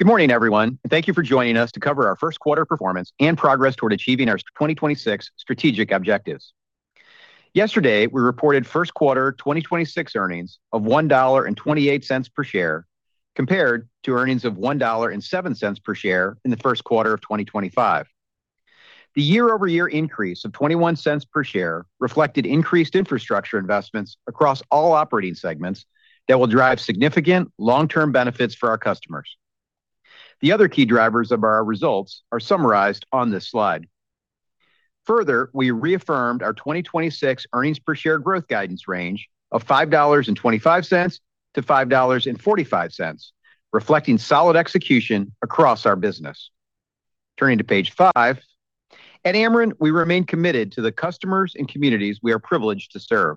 Good morning, everyone, and thank you for joining us to cover our first quarter performance and progress toward achieving our 2026 strategic objectives. Yesterday, we reported first quarter 2026 earnings of $1.28 per share compared to earnings of $1.07 per share in the first quarter of 2025. The year-over-year increase of $0.21 per share reflected increased infrastructure investments across all operating segments that will drive significant long-term benefits for our customers. The other key drivers of our results are summarized on this slide. Further, we reaffirmed our 2026 earnings per share growth guidance range of $5.25-$5.45, reflecting solid execution across our business. Turning to page five. At Ameren, we remain committed to the customers and communities we are privileged to serve.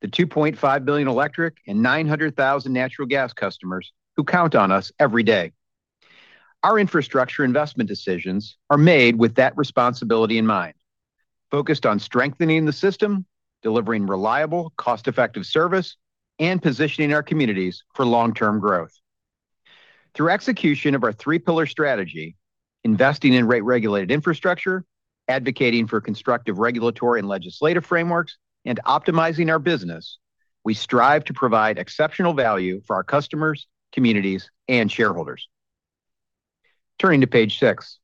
The $2.5 billion electric and 900,000 natural gas customers who count on us every day. Our infrastructure investment decisions are made with that responsibility in mind, focused on strengthening the system, delivering reliable, cost-effective service, and positioning our communities for long-term growth. Through execution of our three-pillar strategy, investing in rate-regulated infrastructure, advocating for constructive regulatory and legislative frameworks, and optimizing our business, we strive to provide exceptional value for our customers, communities, and shareholders. Turning to page six.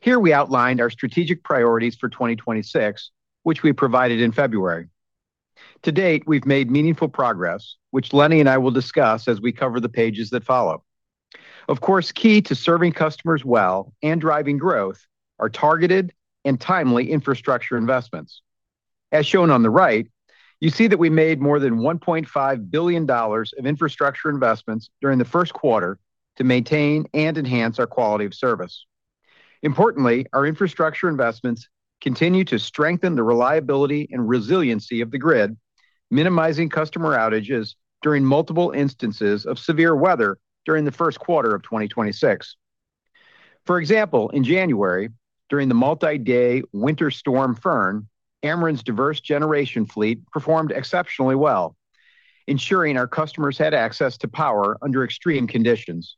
Here we outlined our strategic priorities for 2026, which we provided in February. To date, we've made meaningful progress, which Lenny and I will discuss as we cover the pages that follow. Of course, key to serving customers well and driving growth are targeted and timely infrastructure investments. As shown on the right, you see that we made more than $1.5 billion of infrastructure investments during the first quarter to maintain and enhance our quality of service. Importantly, our infrastructure investments continue to strengthen the reliability and resiliency of the grid, minimizing customer outages during multiple instances of severe weather during the first quarter of 2026. For example, in January, during the multi-day Winter Storm Fern, Ameren's diverse generation fleet performed exceptionally well, ensuring our customers had access to power under extreme conditions.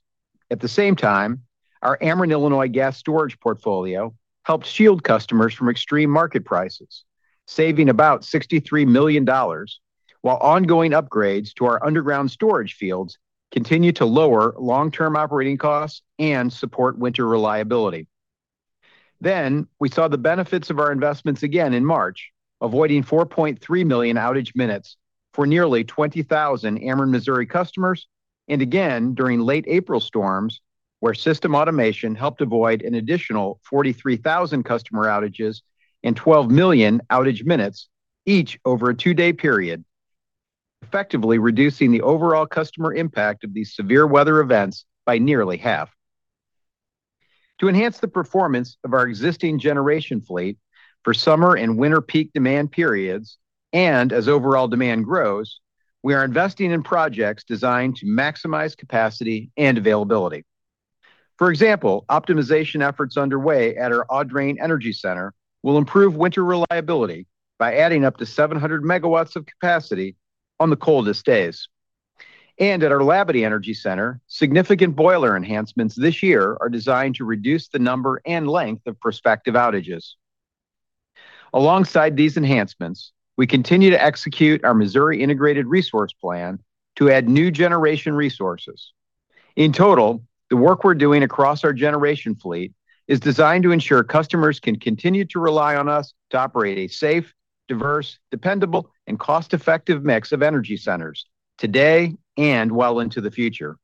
At the same time, our Ameren Illinois gas storage portfolio helped shield customers from extreme market prices, saving about $63 million, while ongoing upgrades to our underground storage fields continue to lower long-term operating costs and support winter reliability. We saw the benefits of our investments again in March, avoiding 4.3 million outage minutes for nearly 20,000 Ameren Missouri customers, and again during late April storms, where system automation helped avoid an additional 43,000 customer outages and 12 million outage minutes each over a two-day period, effectively reducing the overall customer impact of these severe weather events by nearly half. To enhance the performance of our existing generation fleet for summer and winter peak demand periods, and as overall demand grows, we are investing in projects designed to maximize capacity and availability. For example, optimization efforts underway at our Audrain Energy Center will improve winter reliability by adding up to 700 megawatts of capacity on the coldest days. At our Labadie Energy Center, significant boiler enhancements this year are designed to reduce the number and length of prospective outages. Alongside these enhancements, we continue to execute our Missouri Integrated Resource Plan to add new generation resources. In total, the work we're doing across our generation fleet is designed to ensure customers can continue to rely on us to operate a safe, diverse, dependable, and cost-effective mix of energy centers today and well into the future.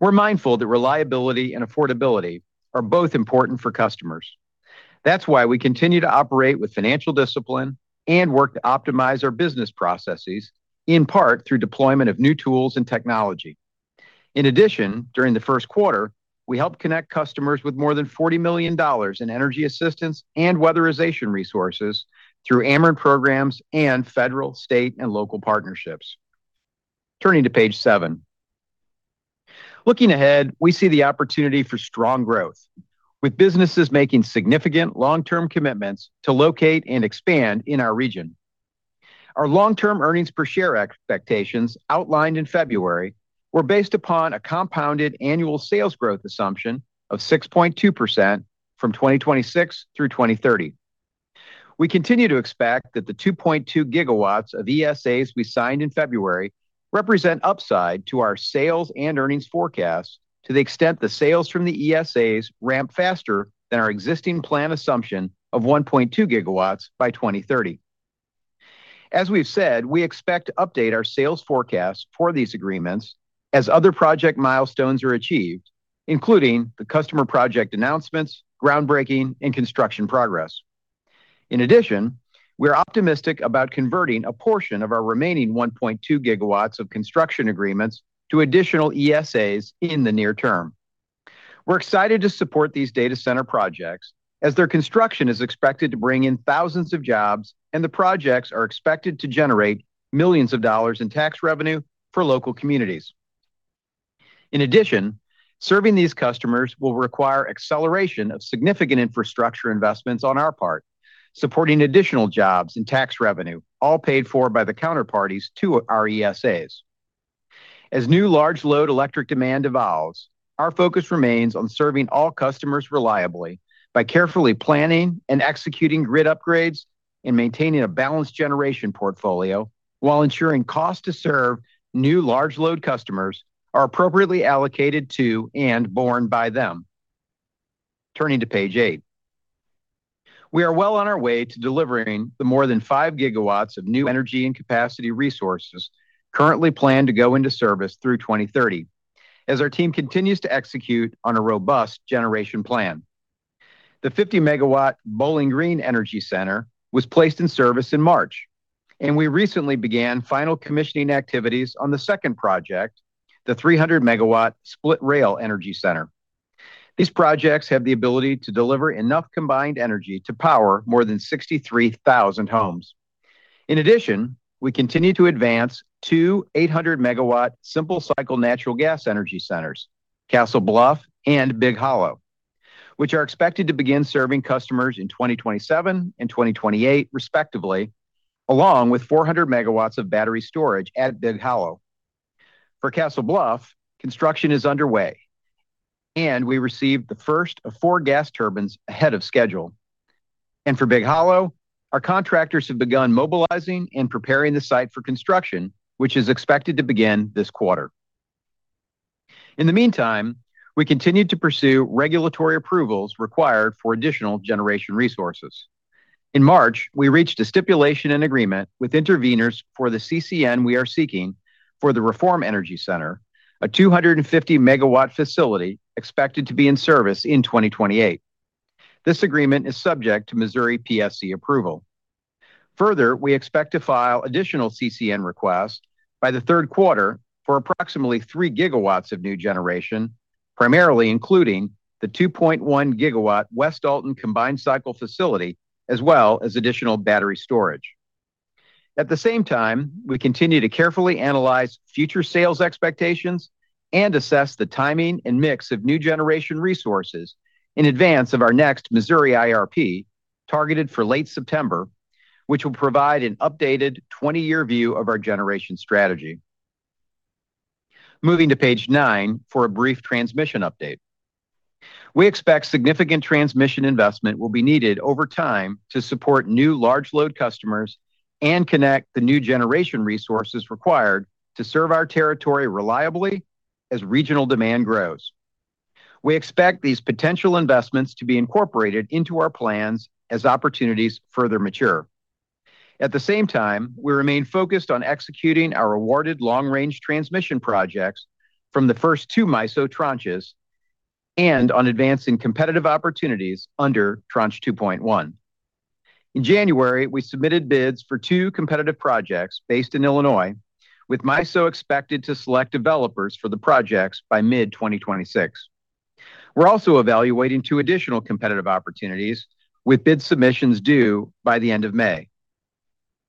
We're mindful that reliability and affordability are both important for customers. That's why we continue to operate with financial discipline and work to optimize our business processes, in part through deployment of new tools and technology. In addition, during the first quarter, we helped connect customers with more than $40 million in energy assistance and weatherization resources through Ameren programs and federal, state, and local partnerships. Turning to page seven. Looking ahead, we see the opportunity for strong growth, with businesses making significant long-term commitments to locate and expand in our region. Our long-term earnings per share expectations outlined in February, were based upon a compounded annual sales growth assumption of 6.2% from 2026 through 2030. We continue to expect that the 2.2 GW of ESAs we signed in February represent upside to our sales and earnings forecast to the extent the sales from the ESAs ramp faster than our existing plan assumption of 1.2 GW by 2030. As we've said, we expect to update our sales forecast for these agreements as other project milestones are achieved, including the customer project announcements, groundbreaking, and construction progress. In addition, we're optimistic about converting a portion of our remaining 1.2 GW of construction agreements to additional ESAs in the near term. We're excited to support these data center projects as their construction is expected to bring in thousands of jobs, and the projects are expected to generate millions of dollars in tax revenue for local communities. In addition, serving these customers will require acceleration of significant infrastructure investments on our part, supporting additional jobs and tax revenue, all paid for by the counterparties to our ESAs. As new large load electric demand evolves, our focus remains on serving all customers reliably by carefully planning and executing grid upgrades and maintaining a balanced generation portfolio while ensuring cost to serve new large load customers are appropriately allocated to and borne by them. Turning to page eight. We are well on our way to delivering the more than 5 GW of new energy and capacity resources currently planned to go into service through 2030 as our team continues to execute on a robust generation plan. The 50 MW Bowling Green Energy Center was placed in service in March. We recently began final commissioning activities on the second project, the 300 MW Split Rail Solar. These projects have the ability to deliver enough combined energy to power more than 63,000 homes. In addition, we continue to advance two 800 MW simple cycle natural gas energy centers, Castle Bluff and Big Hollow, which are expected to begin serving customers in 2027 and 2028 respectively, along with 400 MW of battery storage at Big Hollow. For Castle Bluff, construction is underway, and we received the first of four gas turbines ahead of schedule. For Big Hollow, our contractors have begun mobilizing and preparing the site for construction, which is expected to begin this quarter. In the meantime, we continue to pursue regulatory approvals required for additional generation resources. In March, we reached a stipulation and agreement with interveners for the CCN we are seeking for the Reform Renewable Energy Center, a 250 MW facility expected to be in service in 2028. This agreement is subject to Missouri PSC approval. Further, we expect to file additional CCN requests by the third quarter for approximately 3 GW of new generation, primarily including the 2.1 GW West Alton combined cycle facility, as well as additional battery storage. At the same time, we continue to carefully analyze future sales expectations and assess the timing and mix of new generation resources in advance of our next Missouri IRP, targeted for late September, which will provide an updated 20-year view of our generation strategy. Moving to page nine for a brief transmission update. We expect significant transmission investment will be needed over time to support new large load customers and connect the new generation resources required to serve our territory reliably as regional demand grows. We expect these potential investments to be incorporated into our plans as opportunities further mature. At the same time, we remain focused on executing our awarded long-range transmission projects from the first 2 MISO tranches and on advancing competitive opportunities under Tranche 2.1. In January, we submitted bids for two competitive projects based in Illinois, with MISO expected to select developers for the projects by mid 2026. We're also evaluating two additional competitive opportunities with bid submissions due by the end of May.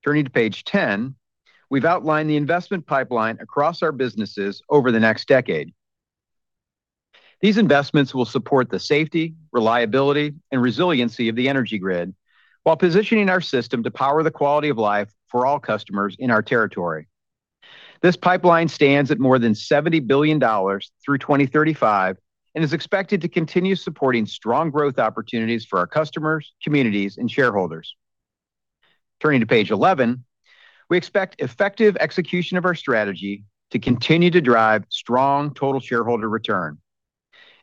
Turning to page 10, we've outlined the investment pipeline across our businesses over the next decade. These investments will support the safety, reliability, and resiliency of the energy grid while positioning our system to power the quality of life for all customers in our territory. This pipeline stands at more than $70 billion through 2035 and is expected to continue supporting strong growth opportunities for our customers, communities, and shareholders. Turning to page 11, we expect effective execution of our strategy to continue to drive strong total shareholder return.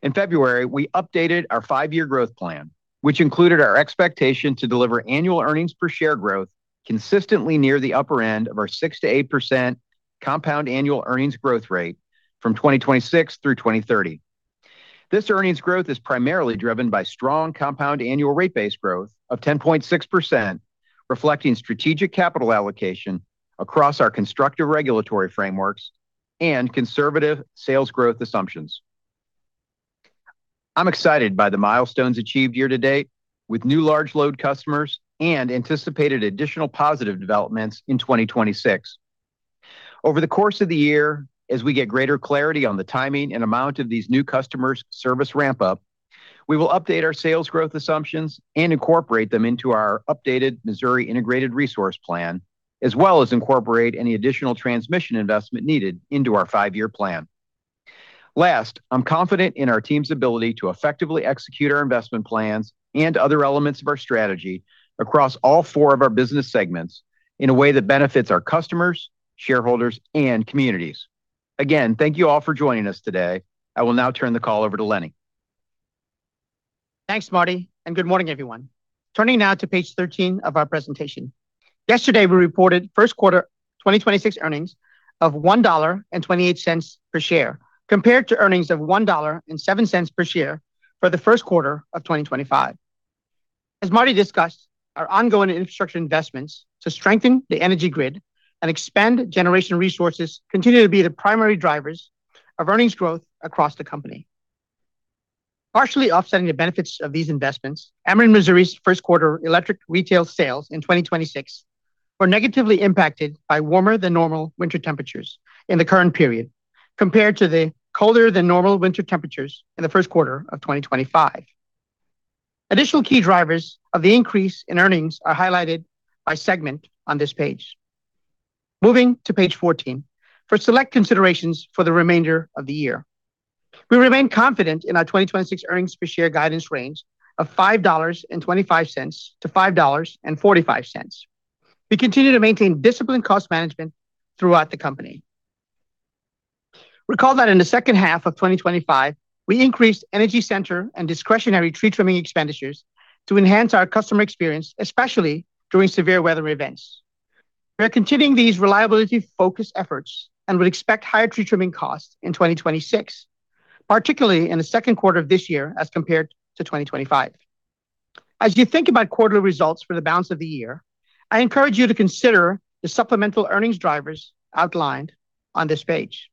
In February, we updated our five-year growth plan, which included our expectation to deliver annual earnings per share growth consistently near the upper end of our 6%-8% compound annual earnings growth rate from 2026 through 2030. This earnings growth is primarily driven by strong compound annual rate base growth of 10.6%, reflecting strategic capital allocation across our constructive regulatory frameworks and conservative sales growth assumptions. I'm excited by the milestones achieved year-to-date with new large load customers and anticipated additional positive developments in 2026. Over the course of the year, as we get greater clarity on the timing and amount of these new customers' service ramp-up, we will update our sales growth assumptions and incorporate them into our updated Missouri Integrated Resource Plan, as well as incorporate any additional transmission investment needed into our five-year plan. I'm confident in our team's ability to effectively execute our investment plans and other elements of our strategy across all four of our business segments in a way that benefits our customers, shareholders, and communities. Again, thank you all for joining us today. I will now turn the call over to Lenny. Thanks, Marty, and good morning, everyone. Turning now to page 13 of our presentation. Yesterday, we reported first quarter 2026 earnings of $1.28 per share, compared to earnings of $1.07 per share for the first quarter of 2025. As Marty discussed, our ongoing infrastructure investments to strengthen the energy grid and expand generation resources continue to be the primary drivers of earnings growth across the company. Partially offsetting the benefits of these investments, Ameren Missouri's first quarter electric retail sales in 2026 were negatively impacted by warmer than normal winter temperatures in the current period compared to the colder than normal winter temperatures in the first quarter of 2025. Additional key drivers of the increase in earnings are highlighted by segment on this page. Moving to page 14 for select considerations for the remainder of the year. We remain confident in our 2026 earnings per share guidance range of $5.25-$5.45. We continue to maintain disciplined cost management throughout the company. Recall that in the second half of 2025, we increased energy center and discretionary tree trimming expenditures to enhance our customer experience, especially during severe weather events. We are continuing these reliability-focused efforts and would expect higher tree trimming costs in 2026, particularly in the second quarter of this year as compared to 2025. As you think about quarterly results for the balance of the year, I encourage you to consider the supplemental earnings drivers outlined on this page.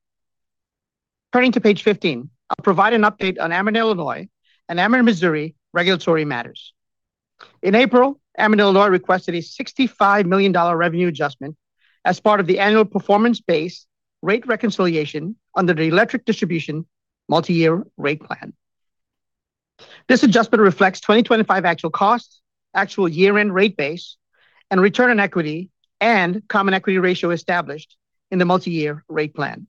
Turning to page 15, I'll provide an update on Ameren Illinois and Ameren Missouri regulatory matters. In April, Ameren Illinois requested a $65 million revenue adjustment as part of the annual performance-based rate reconciliation under the electric distribution multi-year rate plan. This adjustment reflects 2025 actual costs, actual year-end rate base, and return on equity, and common equity ratio established in the multi-year rate plan.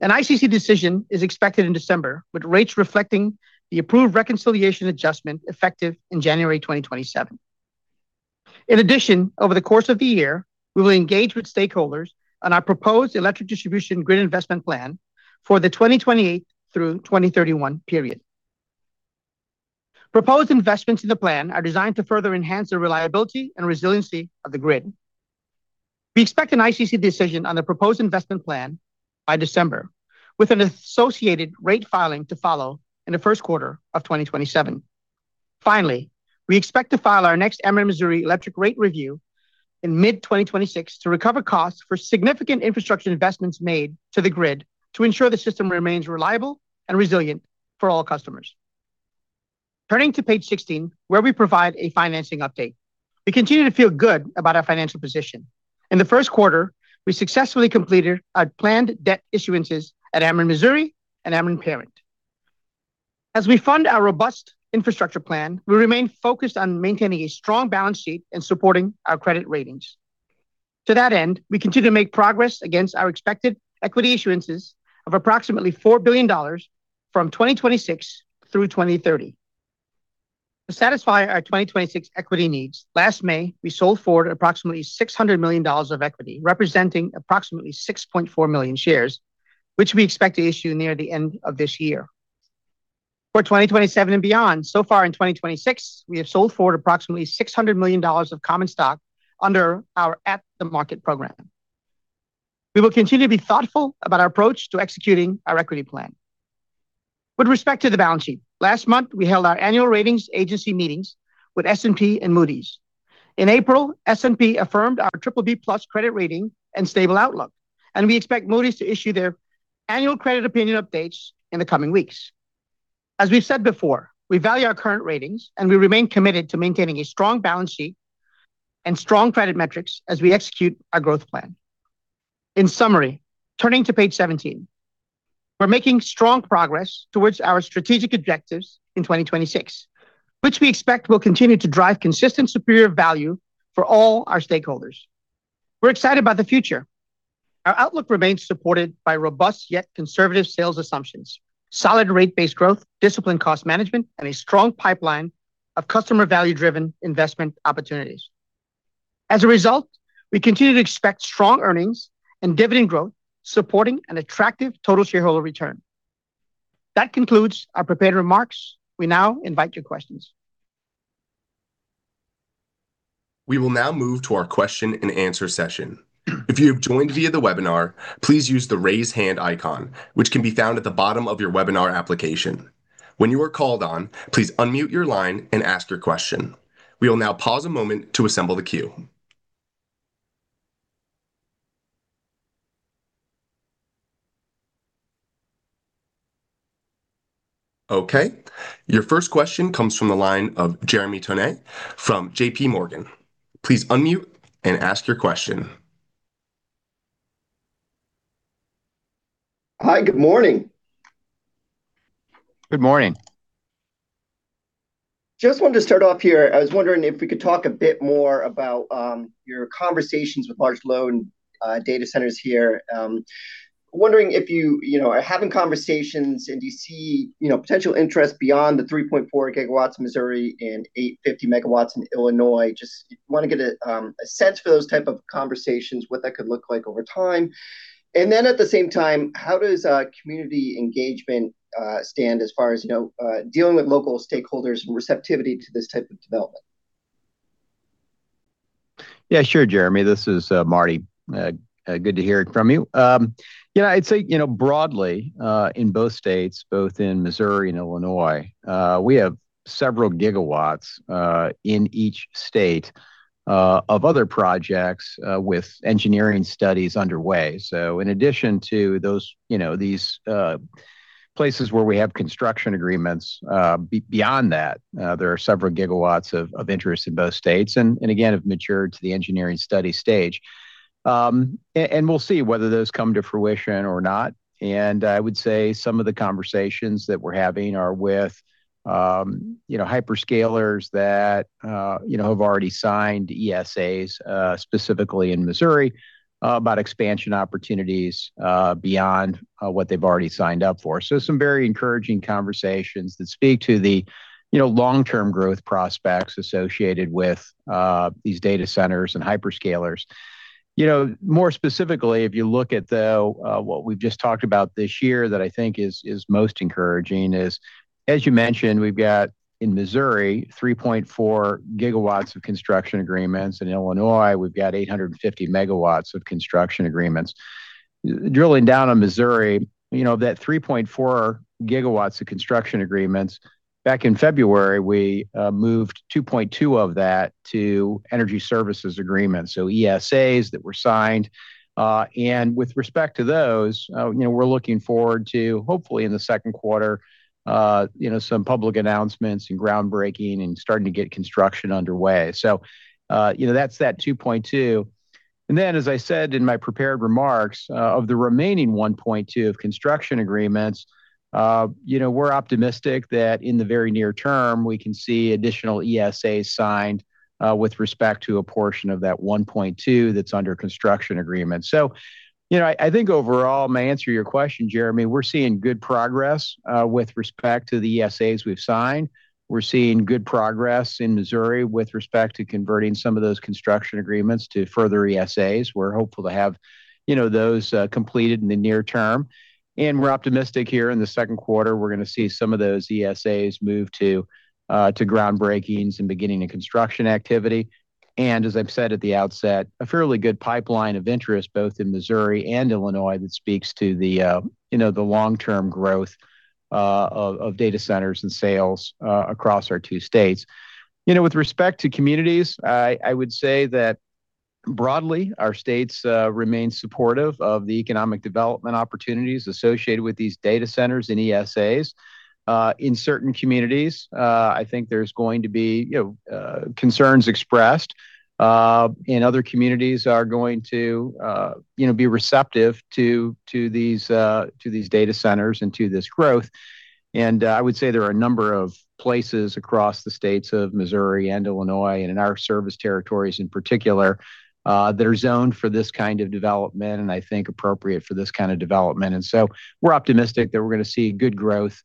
An ICC decision is expected in December, with rates reflecting the approved reconciliation adjustment effective in January 2027. In addition, over the course of the year, we will engage with stakeholders on our proposed electric distribution grid investment plan for the 2028 through 2031 period. Proposed investments in the plan are designed to further enhance the reliability and resiliency of the grid. We expect an ICC decision on the proposed investment plan by December, with an associated rate filing to follow in the first quarter of 2027. Finally, we expect to file our next Ameren Missouri electric rate review in mid-2026 to recover costs for significant infrastructure investments made to the grid to ensure the system remains reliable and resilient for all customers. Turning to page 16, where we provide a financing update. We continue to feel good about our financial position. In the first quarter, we successfully completed our planned debt issuances at Ameren Missouri and Ameren Parent. As we fund our robust infrastructure plan, we remain focused on maintaining a strong balance sheet and supporting our credit ratings. To that end, we continue to make progress against our expected equity issuances of approximately $4 billion from 2026 through 2030. To satisfy our 2026 equity needs, last May, we sold forward approximately $600 million of equity, representing approximately 6.4 million shares, which we expect to issue near the end of this year. For 2027 and beyond, so far in 2026, we have sold forward approximately $600 million of common stock under our at the market program. We will continue to be thoughtful about our approach to executing our equity plan. With respect to the balance sheet, last month, we held our annual ratings agency meetings with S&P and Moody's. In April, S&P affirmed our BBB+ credit rating and stable outlook, and we expect Moody's to issue their annual credit opinion updates in the coming weeks. As we've said before, we value our current ratings, and we remain committed to maintaining a strong balance sheet and strong credit metrics as we execute our growth plan. In summary, turning to page 17, we're making strong progress towards our strategic objectives in 2026, which we expect will continue to drive consistent superior value for all our stakeholders. We're excited about the future. Our outlook remains supported by robust yet conservative sales assumptions, solid rate-based growth, disciplined cost management, and a strong pipeline of customer value-driven investment opportunities. As a result, we continue to expect strong earnings and dividend growth, supporting an attractive total shareholder return. That concludes our prepared remarks. We now invite your questions. We will now move to our question and answer session. If you have joined via the webinar, please use the raise hand icon, which can be found at the bottom of your webinar application. When you are called on, please unmute your line and ask your question. We will now pause a moment to assemble the queue. Okay. Your first question comes from the line of Jeremy Tonet from JPMorgan. Please unmute and ask your question. Hi. Good morning. Good morning. Just wanted to start off here. I was wondering if we could talk a bit more about your conversations with large load and data centers here. Wondering if you know, are having conversations and do you see, you know, potential interest beyond the 3.4 GW in Missouri and 850 MW in Illinois, just wanna get a sense for those type of conversations, what that could look like over time? At the same time, how does community engagement stand as far as, you know, dealing with local stakeholders and receptivity to this type of development? Yeah sure, Jeremy. This is Marty. Good to hear from you. You know, I'd say, you know, broadly, in both states, both in Missouri and Illinois, we have several gigawatts in each state of other projects with engineering studies underway. In addition to those, you know, these places where we have construction agreements, beyond that, there are several gigawatts of interest in both states and, again, have matured to the engineering study stage. And we'll see whether those come to fruition or not. I would say some of the conversations that we're having are with, you know, hyperscalers that, you know, have already signed ESAs specifically in Missouri about expansion opportunities beyond what they've already signed up for. Some very encouraging conversations that speak to the, you know, long-term growth prospects associated with these data centers and hyperscalers. You know, more specifically, if you look at what we've just talked about this year that I think is most encouraging is, as you mentioned, we've got in Missouri 3.4 GW of construction agreements. In Illinois, we've got 850 MW of construction agreements. Drilling down on Missouri, you know, that 3.4 GW of construction agreements, back in February, we moved 2.2 GW of that to Energy Service Agreements, so ESAs that were signed. And with respect to those, you know, we're looking forward to, hopefully in the second quarter, you know, some public announcements and groundbreaking and starting to get construction underway. You know, that's that 2.2 GW As I said in my prepared remarks, of the remaining 1.2 GW of construction agreements, you know, we're optimistic that in the very near term we can see additional ESAs signed with respect to a portion of that 1.2 GW that's under construction agreement. You know, I think overall, my answer to your question, Jeremy, we're seeing good progress with respect to the ESAs we've signed. We're seeing good progress in Missouri with respect to converting some of those construction agreements to further ESAs. We're hopeful to have, you know, those completed in the near term. We're optimistic here in the second quarter we're gonna see some of those ESAs move to groundbreakings and beginning of construction activity. As I've said at the outset, a fairly good pipeline of interest both in Missouri and Illinois that speaks to the, you know, the long-term growth of data centers and sales across our two states. You know, with respect to communities, I would say that broadly our states remain supportive of the economic development opportunities associated with these data centers and ESAs. In certain communities, I think there's going to be, you know, concerns expressed. Other communities are going to, you know, be receptive to these data centers and to this growth. There are a number of places across the states of Missouri and Illinois, and in our service territories in particular, that are zoned for this kind of development, and I think appropriate for this kind of development. We're optimistic that we're gonna see good growth,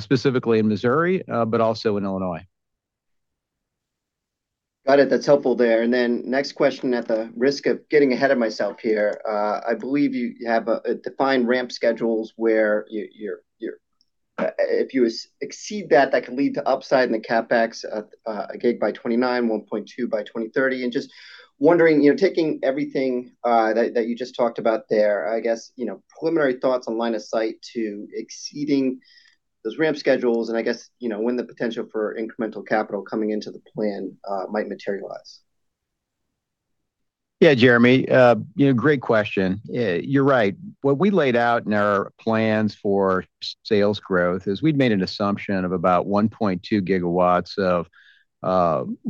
specifically in Missouri, but also in Illinois. Got it. That's helpful there. Then next question, at the risk of getting ahead of myself here, I believe you have a defined ramp schedules where you're If you exceed that could lead to upside in the CapEx at 1 GW by 2029, 1.2 GW by 2030. Just wondering, you know, taking everything that you just talked about there, I guess, you know, preliminary thoughts on line of sight to exceeding those ramp schedules, and I guess, you know, when the potential for incremental capital coming into the plan might materialize. Yeah, Jeremy, you know, great question. You're right. What we laid out in our plans for sales growth is we'd made an assumption of about 1.2 gigawatts of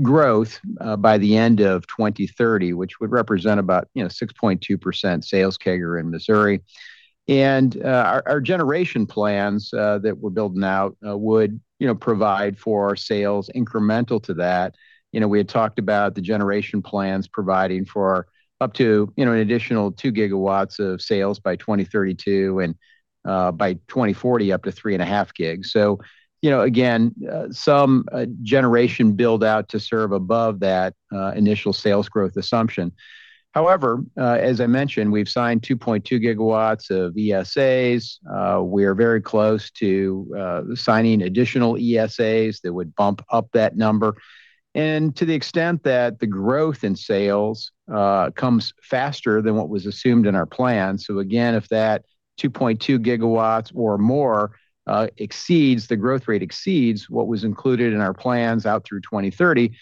growth by the end of 2030, which would represent about, you know, 6.2% sales CAGR in Missouri. Our generation plans that we're building out would, you know, provide for our sales incremental to that. You know, we had talked about the generation plans providing for up to, you know, an additional 2 GW of sales by 2032, and by 2040, up to 3.5 GW. You know, again, some generation build out to serve above that initial sales growth assumption. However, as I mentioned, we've signed 2.2 GW of ESAs. We are very close to signing additional ESAs that would bump up that number. To the extent that the growth in sales comes faster than what was assumed in our plan, so again, if that 2.2 GW or more exceeds, the growth rate exceeds what was included in our plans out through 2030,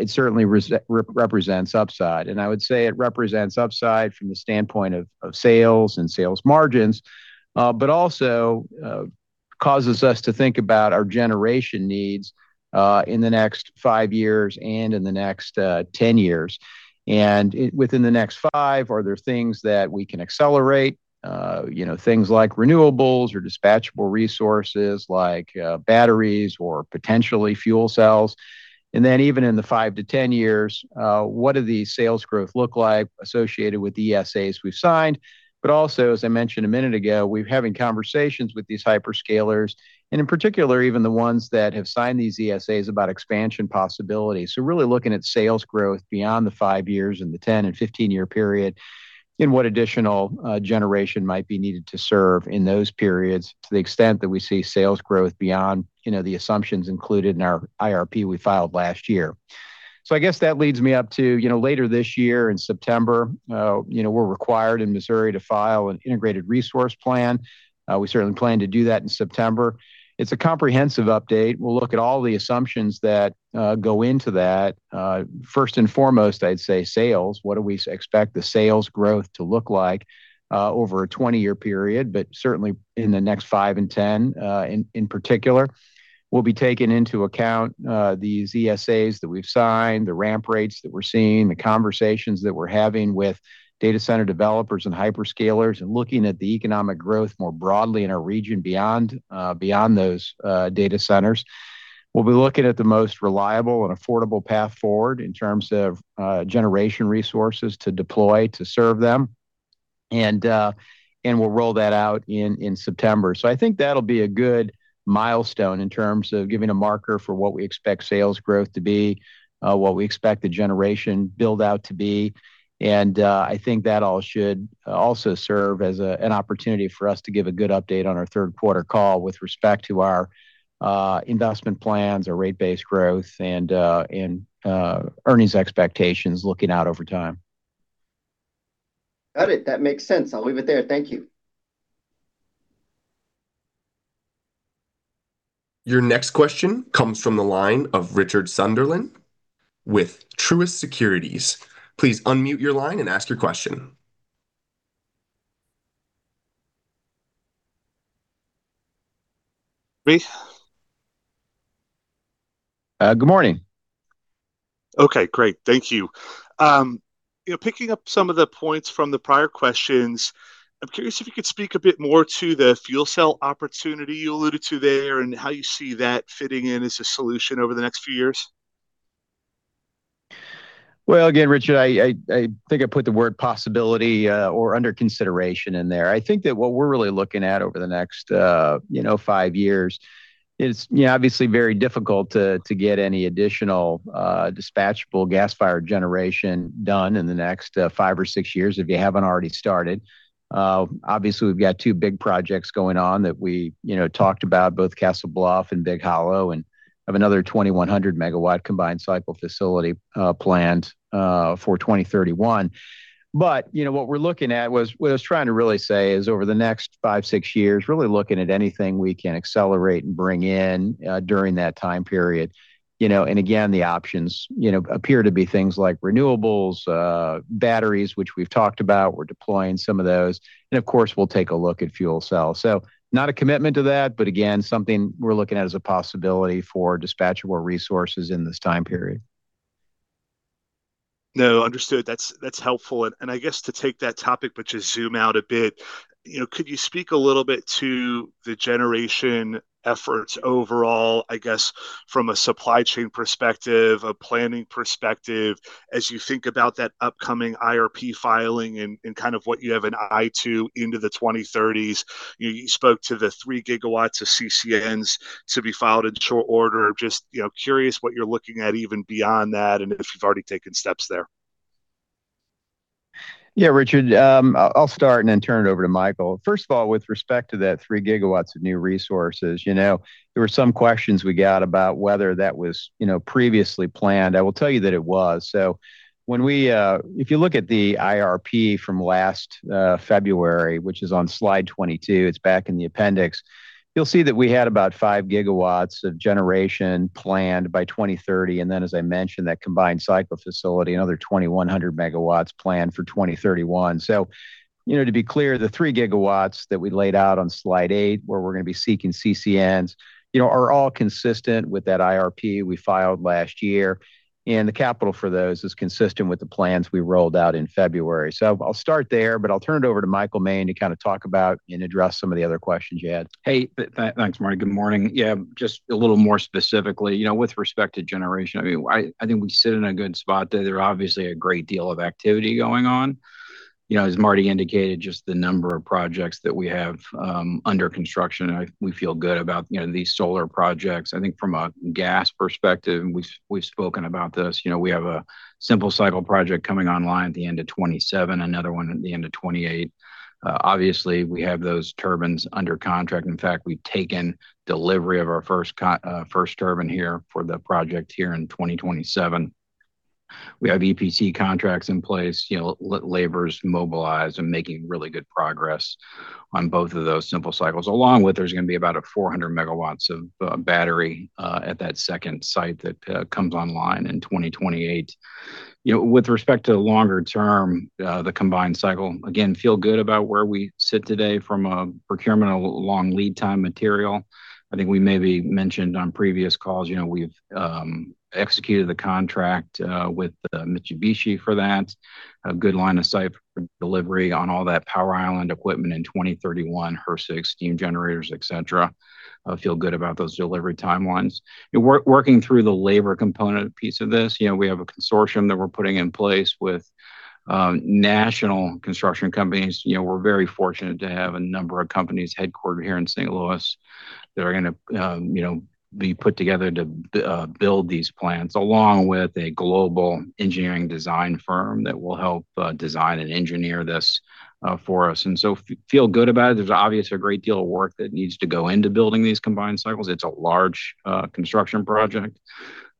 it certainly represents upside. I would say it represents upside from the standpoint of sales and sales margins, but also causes us to think about our generation needs in the next five years and in the next 10 years. Within the next five, are there things that we can accelerate? You know, things like renewables or dispatchable resources like batteries or potentially fuel cells. Even in the five to 10 years, what do the sales growth look like associated with the ESAs we’ve signed? Also, as I mentioned a minute ago, we’re having conversations with these hyperscalers, and in particular, even the ones that have signed these ESAs about expansion possibilities. Really looking at sales growth beyond the five years and the 10 and 15-year period, and what additional generation might be needed to serve in those periods to the extent that we see sales growth beyond, you know, the assumptions included in our IRP we filed last year. I guess that leads me up to, you know, later this year in September, you know, we’re required in Missouri to file an Integrated Resource Plan. We certainly plan to do that in September. It’s a comprehensive update. We'll look at all the assumptions that go into that. First and foremost, I'd say sales. What do we expect the sales growth to look like over a 20-year period, but certainly in the next five and ten, in particular? We'll be taking into account these ESAs that we've signed, the ramp rates that we're seeing, the conversations that we're having with data center developers and hyperscalers, and looking at the economic growth more broadly in our region beyond beyond those data centers. We'll be looking at the most reliable and affordable path forward in terms of generation resources to deploy to serve them, and we'll roll that out in September. I think that'll be a good milestone in terms of giving a marker for what we expect sales growth to be, what we expect the generation build-out to be, and I think that all should also serve as an opportunity for us to give a good update on our third quarter call with respect to our investment plans, our rate base growth and earnings expectations looking out over time. Got it that makes sense, I'll leave it there. Thank you. Your next question comes from the line of Richard Sunderland with Truist Securities. Please unmute your line and ask your question. Me? good morning. Okay. Great. Thank you. You know, picking up some of the points from the prior questions, I'm curious if you could speak a bit more to the fuel cell opportunity you alluded to there and how you see that fitting in as a solution over the next few years. Well, again Richard, I think I put the word possibility, or under consideration in there. I think that what we're really looking at over the next, you know, five years is, you know, obviously very difficult to get any additional dispatchable gas-fired generation done in the next five or six years if you haven't already started. Obviously we've got two big projects going on that we, you know, talked about, both Castle Bluff and Big Hollow, and have another 2,100 MW combined cycle facility planned for 2031. You know, what we're looking at was, what I was trying to really say is over the next five, six years, really looking at anything we can accelerate and bring in during that time period. You know, again, the options, you know, appear to be things like renewables, batteries, which we've talked about. We're deploying some of those. Of course, we'll take a look at fuel cells. Not a commitment to that, again, something we're looking at as a possibility for dispatchable resources in this time period. No, understood. That's helpful. I guess to take that topic but just zoom out a bit, you know, could you speak a little bit to the generation efforts overall, I guess, from a supply chain perspective, a planning perspective as you think about that upcoming IRP filing and kind of what you have an eye to into the 2030s? You spoke to the 3 GW of CCNs to be filed in short order. Just, you know, curious what you're looking at even beyond that and if you've already taken steps there. Richard, I'll start and then turn it over to Michael. First of all, with respect to that 3 GW of new resources, you know, there were some questions we got about whether that was, you know, previously planned. I will tell you that it was. When we, if you look at the IRP from last February, which is on slide 22, it's back in the appendix, you'll see that we had about 5 GW of generation planned by 2030, then as I mentioned, that combined cycle facility, another 2,100 MW planned for 2031. You know, to be clear, the 3 GW that we laid out on slide eight, where we're gonna be seeking CCNs, you know, are all consistent with that IRP we filed last year, the capital for those is consistent with the plans we rolled out in February. I'll start there, but I'll turn it over to Michael Moehn to kinda talk about and address some of the other questions you had. Hey. Thanks, Marty. Good morning. Just a little more specifically, you know, with respect to generation, I mean, I think we sit in a good spot there. There are obviously a great deal of activity going on. You know, as Marty indicated, just the number of projects that we have under construction, we feel good about, you know, these solar projects. I think from a gas perspective, we've spoken about this, you know, we have a simple cycle project coming online at the end of 2027, another one at the end of 2028. Obviously we have those turbines under contract. In fact, we've taken delivery of our first turbine here for the project here in 2027. We have EPC contracts in place. You know, labor's mobilized and making really good progress on both of those simple cycles, along with there's gonna be about a 400 MW of battery at that second site that comes online in 2028. You know, with respect to longer term, the combined cycle, again, feel good about where we sit today from a procurement of long lead time material. I think we maybe mentioned on previous calls, you know, we've executed the contract with Mitsubishi for that. A good line of sight for delivery on all that power island equipment in 2031, HRSG steam generators, et cetera. Feel good about those delivery timelines. You know, working through the labor component piece of this, you know, we have a consortium that we're putting in place with national construction companies. You know, we're very fortunate to have a number of companies headquartered here in St. Louis that are gonna, you know, be put together to build these plants, along with a global engineering design firm that will help design and engineer this for us. Feel good about it. There's obviously a great deal of work that needs to go into building these combined cycles. It's a large construction project,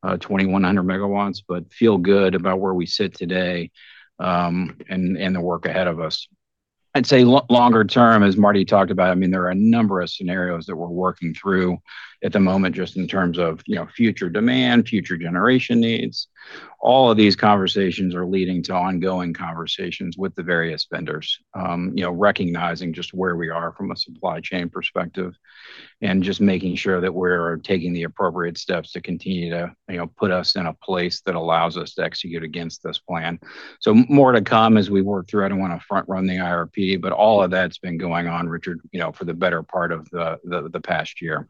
2,100 MW, but feel good about where we sit today, and the work ahead of us. I'd say longer term, as Marty talked about, I mean, there are a number of scenarios that we're working through at the moment just in terms of, you know, future demand, future generation needs. All of these conversations are leading to ongoing conversations with the various vendors, you know, recognizing just where we are from a supply chain perspective and just making sure that we're taking the appropriate steps to continue to, you know, put us in a place that allows us to execute against this plan. More to come as we work through. I don't wanna front run the IRP, all of that's been going on Richard, you know, for the better part of the past year.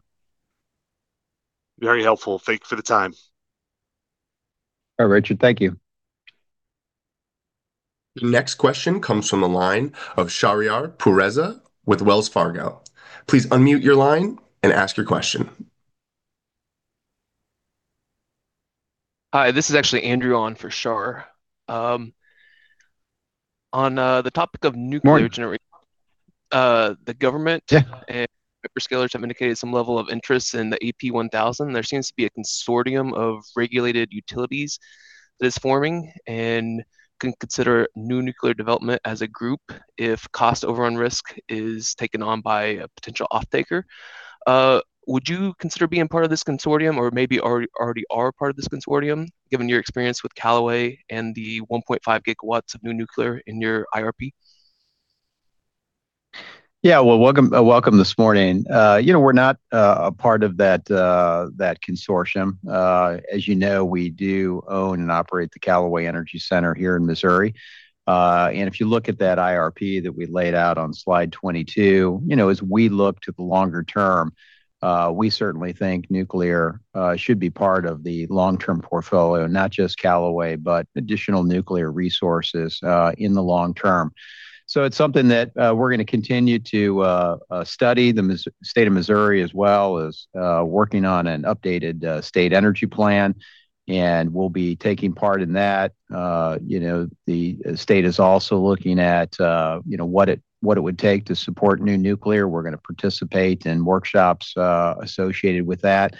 Very helpful. Thank you for the time. All right, Richard. Thank you. The next question comes from the line of Shahriar Pourreza with Wells Fargo. Please unmute your line and ask your question. Hi, this is actually Andrew on for Shar. On the topic of nuclear generation. Morning The government. Yeah Scalers have indicated some level of interest in the AP1000. There seems to be a consortium of regulated utilities that's forming, and can consider new nuclear development as a group if cost overrun risk is taken on by a potential offtaker. Would you consider being part of this consortium or maybe already are part of this consortium, given your experience with Callaway and the 1.5 GW of new nuclear in your IRP? Yeah. Well, welcome this morning. You know, we're not a part of that consortium. As you know, we do own and operate the Callaway Energy Center here in Missouri. If you look at that IRP that we laid out on slide 22, you know, as we look to the longer term, we certainly think nuclear should be part of the long-term portfolio, not just Callaway, but additional nuclear resources in the long term. It's something that we're going to continue to study. The State of Missouri as well is working on an updated state energy plan, and we'll be taking part in that. You know, the state is also looking at, you know, what it, what it would take to support new nuclear. We're gonna participate in workshops associated with that.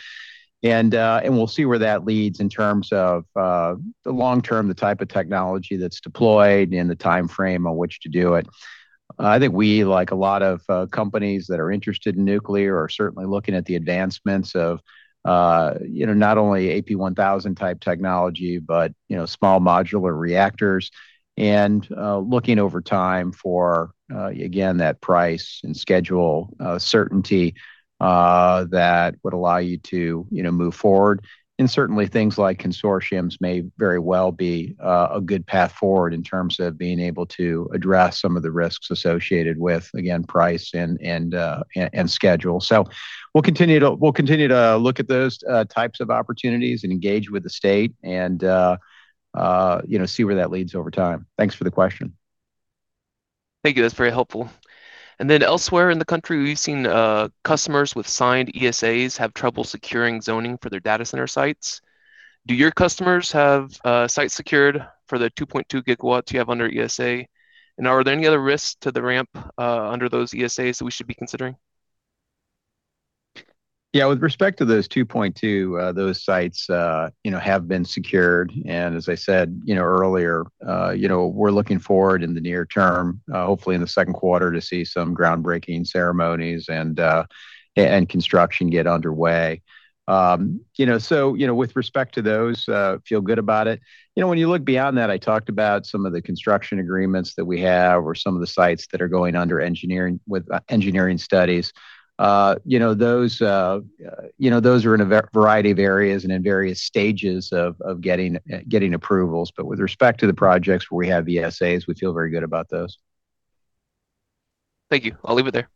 we'll see where that leads in terms of the long term, the type of technology that's deployed and the timeframe on which to do it. I think we, like a lot of companies that are interested in nuclear, are certainly looking at the advancements of, you know, not only AP1000 type technology, but, you know, small modular reactors, and looking over time for again, that price and schedule certainty that would allow you to, you know, move forward. certainly things like consortiums may very well be a good path forward in terms of being able to address some of the risks associated with, again, price and schedule. We'll continue to look at those types of opportunities and engage with the state and, you know, see where that leads over time. Thanks for the question. Thank you, that's very helpful. Elsewhere in the country, we've seen customers with signed ESAs have trouble securing zoning for their data center sites. Do your customers have sites secured for the 2.2 GW you have under ESA? Are there any other risks to the ramp under those ESAs that we should be considering? Yeah, with respect to those 2.2 GW, those sites, you know, have been secured. As I said, you know, earlier, you know, we're looking forward in the near term, hopefully in the second quarter to see some groundbreaking ceremonies and construction get underway. You know, with respect to those, feel good about it. You know, when you look beyond that, I talked about some of the construction agreements that we have or some of the sites that are going under engineering, with engineering studies. You know, those, you know, those are in a variety of areas and in various stages of getting approvals. With respect to the projects where we have ESAs, we feel very good about those. Thank you. I'll leave it there.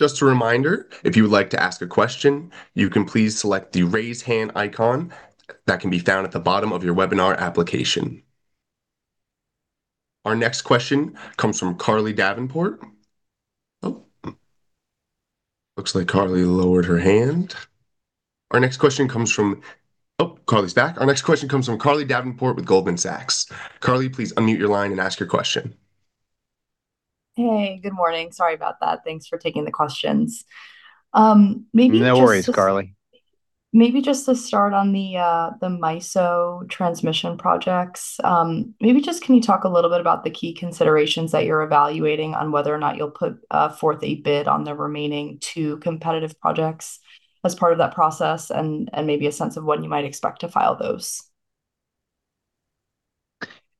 Just a reminder, if you would like to ask a question, you can please select the raise hand icon that can be found at the bottom of your webinar application. Our next question comes from Carly Davenport. Oh, looks like Carly lowered her hand. Our next question comes from Oh, Carly's back. Our next question comes from Carly Davenport with Goldman Sachs. Carly, please unmute your line and ask your question. Hey, good morning. Sorry about that. Thanks for taking the questions. No worries, Carly. Maybe just to start on the MISO transmission projects, can you talk a little bit about the key considerations that you're evaluating on whether or not you'll put forth a bid on the remaining two competitive projects as part of that process and maybe a sense of when you might expect to file those?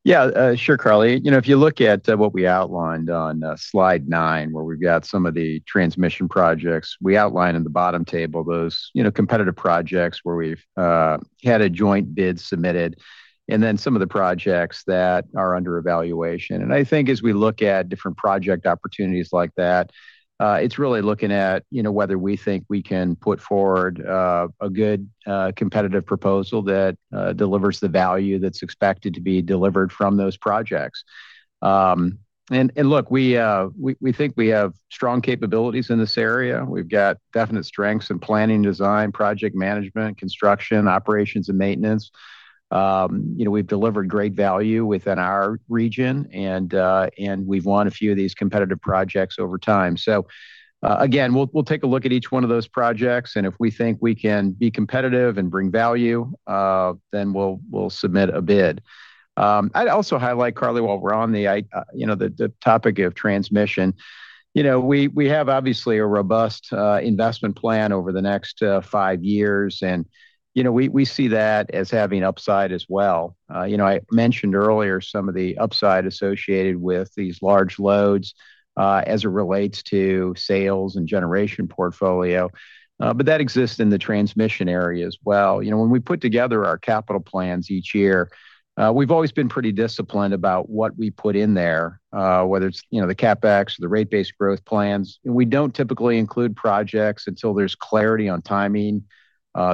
Yeah. Sure, Carly. You know, if you look at what we outlined on slide nine, where we've got some of the transmission projects, we outline in the bottom table those, you know, competitive projects where we've had a joint bid submitted, and then some of the projects that are under evaluation. I think as we look at different project opportunities like that, it's really looking at, you know, whether we think we can put forward a good competitive proposal that delivers the value that's expected to be delivered from those projects. Look, we think we have strong capabilities in this area. We've got definite strengths in planning, design, project management, construction, operations, and maintenance. You know, we've delivered great value within our region, and we've won a few of these competitive projects over time. Again, we'll take a look at each one of those projects, and if we think we can be competitive and bring value, we'll submit a bid. I'd also highlight Carly, while we're on you know, the topic of transmission. You know, we have obviously a robust investment plan over the next five years. You know, we see that as having upside as well. You know, I mentioned earlier some of the upside associated with these large loads, as it relates to sales and generation portfolio. That exists in the transmission area as well. You know, when we put together our capital plans each year, we've always been pretty disciplined about what we put in there, whether it's, you know, the CapEx or the rate base growth plans. We don't typically include projects until there's clarity on timing,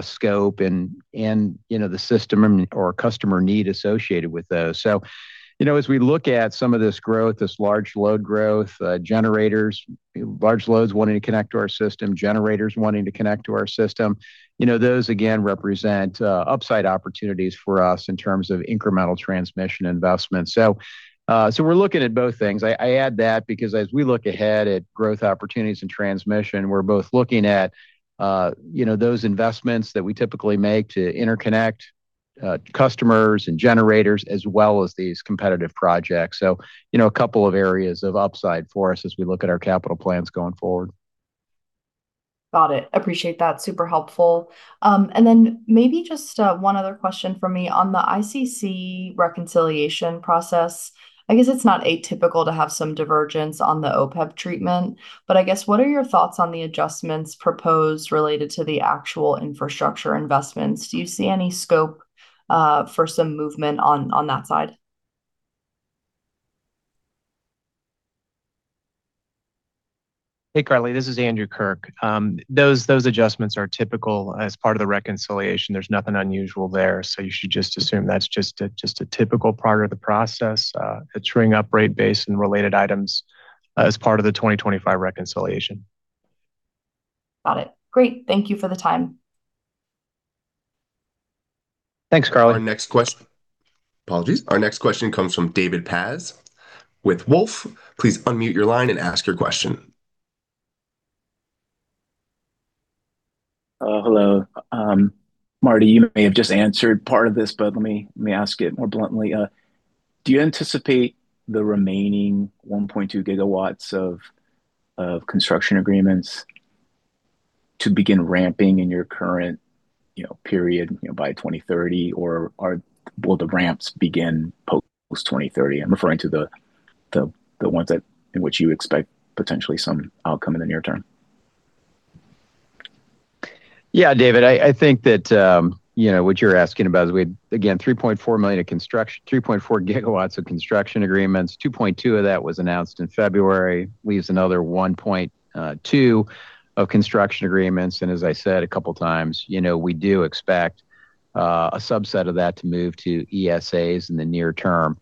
scope and, you know, the system or customer need associated with those. You know, as we look at some of this growth, this large load growth, generators, large loads wanting to connect to our system, generators wanting to connect to our system, you know, those again represent upside opportunities for us in terms of incremental transmission investment. We're looking at both things. I add that because as we look ahead at growth opportunities and transmission, we're both looking at, you know, those investments that we typically make to interconnect, customers and generators as well as these competitive projects. A couple of areas of upside for us as we look at our capital plans going forward. Got it. Appreciate that, super helpful. Then maybe just one other question from me. On the ICC reconciliation process, I guess it's not atypical to have some divergence on the OPEB treatment, but I guess what are your thoughts on the adjustments proposed related to the actual infrastructure investments, do you see any scope for some movement on that side? Hey Carly, this is Andrew Kirk. Those adjustments are typical as part of the reconciliation. There's nothing unusual there, you should just assume that's just a typical part of the process, a true up rate base and related items as part of the 2025 reconciliation. Got it, great. Thank you for the time. Thanks, Carly. Apologies. Our next question comes from David Paz with Wolfe. Please unmute your line and ask your question. Hello. Marty, you may have just answered part of this, but let me ask it more bluntly. Do you anticipate the remaining 1.2 GW of construction agreements to begin ramping in your current, you know, period by 2030, or will the ramps begin post-2030? I'm referring to the ones that, in which you expect potentially some outcome in the near term. Yeah, David, I think that you know, what you're asking about is we had, again, 3.4 GW of construction agreements. 2.2 GW of that was announced in February. We use another 1.2 GW of construction agreements, and as I said a couple times, you know, we do expect a subset of that to move to ESAs in the near term.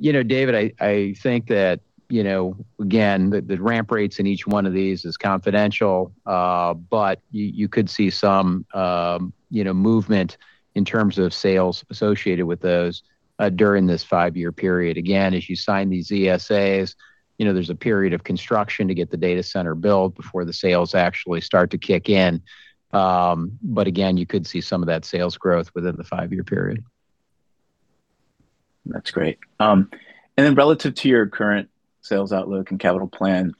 You know, David, I think that, you know, again, the ramp rates in each one of these is confidential, but you could see some, you know, movement in terms of sales associated with those during this five-year period. Again, as you sign these ESAs, you know, there's a period of construction to get the data center built before the sales actually start to kick in. Again, you could see some of that sales growth within the five-year period. That's great. Then relative to your current sales outlook and capital plan,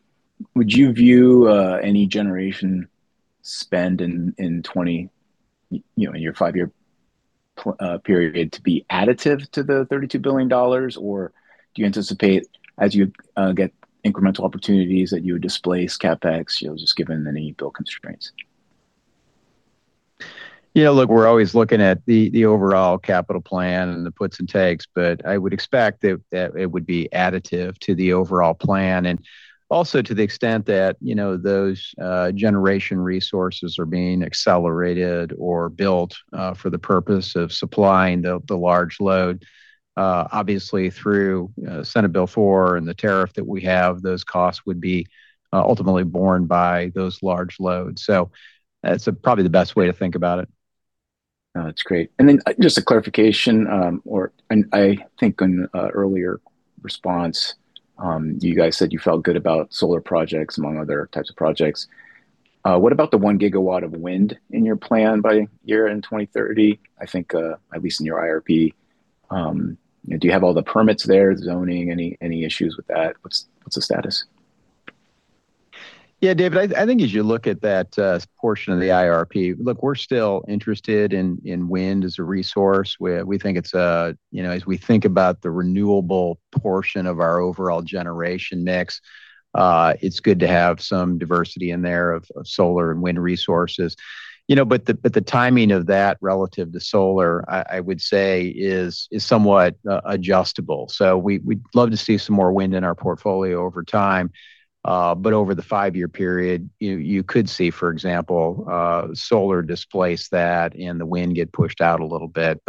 would you view any generation spend in 20, you know, in your five-year period to be additive to the $32 billion? Or do you anticipate as you get incremental opportunities that you would displace CapEx, you know, just given any bill constraints? Look, we're always looking at the overall capital plan and the puts and takes, I would expect that it would be additive to the overall plan. Also to the extent that, you know, those generation resources are being accelerated or built for the purpose of supplying the large load, obviously through Senate Bill 4 and the tariff that we have, those costs would be ultimately borne by those large loads. That's probably the best way to think about it. No, that's great. Just a clarification, or I think on a earlier response, you guys said you felt good about solar projects among other types of projects. What about the 1 GW of wind in your plan by year-end 2030? I think, at least in your IRP, you know, do you have all the permits there, zoning, any issues with that? What's the status? David, I think as you look at that portion of the IRP, look, we're still interested in wind as a resource. We think it's, you know, as we think about the renewable portion of our overall generation mix, it's good to have some diversity in there of solar and wind resources. You know, but the timing of that relative to solar, I would say is somewhat adjustable. We'd love to see some more wind in our portfolio over time, but over the five-year period, you could see, for example, solar displace that and the wind get pushed out a little bit.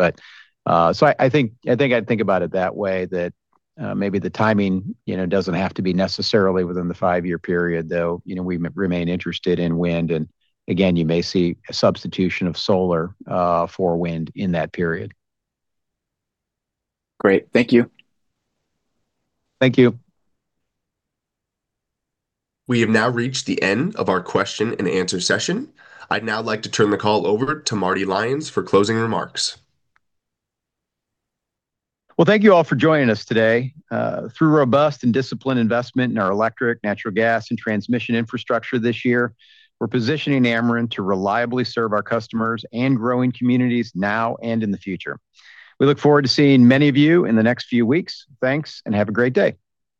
I think I'd think about it that way, that maybe the timing, you know, doesn't have to be necessarily within the five-year period, though, you know, we remain interested in wind, and again, you may see a substitution of solar for wind in that period. Great. Thank you. Thank you. We have now reached the end of our question and answer session. I'd now like to turn the call over to Marty Lyons for closing remarks. Well, thank you all for joining us today. Through robust and disciplined investment in our electric, natural gas, and transmission infrastructure this year, we're positioning Ameren to reliably serve our customers and growing communities now and in the future. We look forward to seeing many of you in the next few weeks. Thanks, and have a great day.